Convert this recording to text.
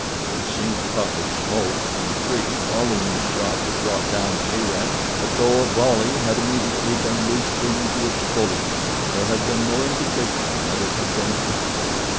They had seen the puff of smoke from the tree following the shot that brought down the Arab, but, though a volley had immediately been loosed into its foliage, there had been no indication that it had been effective.